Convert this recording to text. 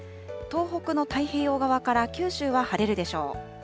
東北の太平洋側から九州は晴れるでしょう。